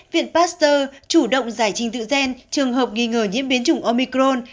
pfizer chủ động giải trình tự gen trường hợp nghi ngờ nhiễm biến chủng omicron